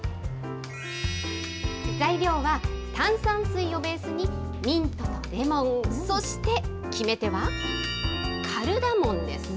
材料は炭酸水をベースに、ミント、レモン、そして決め手はカルダモンです。